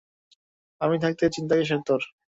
আমি থাকতে চিন্তা কীসের তোর?